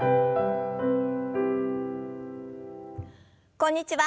こんにちは。